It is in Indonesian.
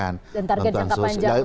dan target jangka panjang